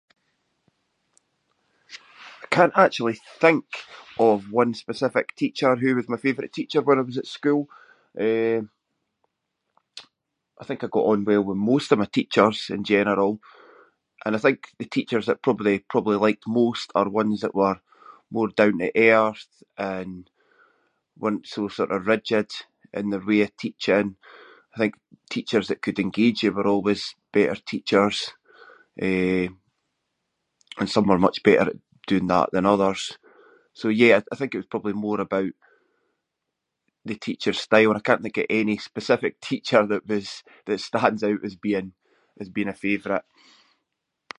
I can’t actually think of one specific teacher who was my favourite teacher when I was at school. Eh, I think I got on well with most of my teachers in general and I think the teachers that probably- probably I liked most were ones that were more down-to-earth and weren’t so sort of rigid in their way of teaching. I think teachers that could engage you were always better teachers, eh, and some are much better at doing that than others. So yeah, I think it was probably more about the teacher’s style and I can’t think of any specific teacher that was- that stands out as being- as being a favourite.